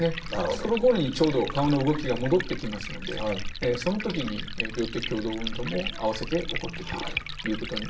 そのころにちょうど顔の動きが戻ってきますのでそのときに病的共同運動も併せて起こってくるということになります。